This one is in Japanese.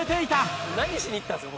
「何しに行ったんですか？